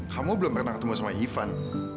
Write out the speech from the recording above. kamu belum pernah ketemu sama ivan